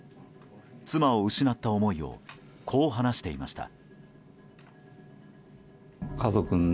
妻を失った思いをこう話していました。